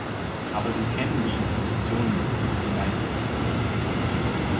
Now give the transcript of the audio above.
Aber Sie kennen die Institution, die Sie leiten.